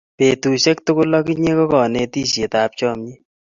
petusiek tugul ak inye ko kanetishiet ab chamiet